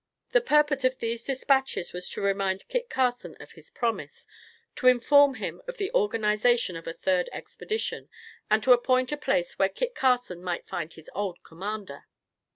The purport of these dispatches was to remind Kit Carson of his promise, to inform him of the organization of a third expedition, and to appoint a place where Kit Carson might find his old commander.